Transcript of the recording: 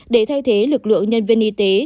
để thay thế lực lượng nhân viên y tế